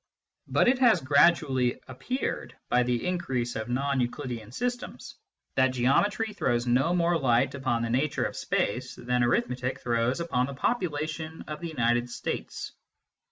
But it has gradually appeared, by the increase of non Euclidean systems, that Geometry throws no more light upon the nature of space than Arithmetic throws upon the popula tion of the United States.